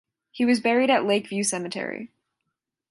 He was buried at Lake View Cemetery.